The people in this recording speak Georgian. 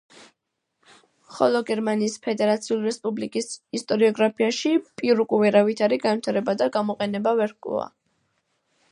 ხოლო გერმანიის ფედერაციულ რესპუბლიკის ისტორიოგრაფიაში პირუკუ ვერავითარი განვითარება და გამოყენება ვერ ჰპოვა.